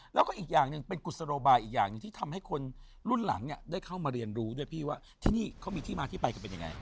แล้วก็อีกอย่างหนึ่งเป็นกุศโลบายอีกอย่างหนึ่งที่ทำให้คนรุ่นหลังเนี่ยได้เข้ามาเรียนรู้ด้วยพี่ว่าที่นี่เขามีที่มาที่ไปกันเป็นยังไง